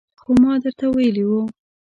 خو ما درته ویلي وو